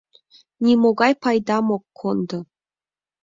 Нимогай пайдам ок кондо.